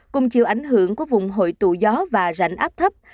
cùng chiều ảnh hưởng của vùng hội tụ gió và rãnh áp thấp